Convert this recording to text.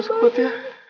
semua sebut ya